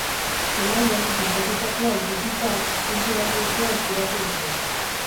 Zelaian gertatutakoa ikusita, puntu baliotsua eskuratu dute.